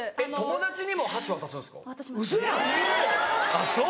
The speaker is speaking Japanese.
あっそう。